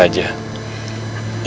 memangnya kenapa ya